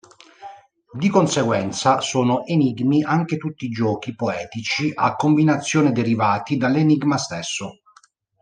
Di conseguenza sono enigmi anche tutti i giochi poetici a combinazione derivati dall'enigma stesso.